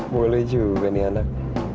boleh juga nih anak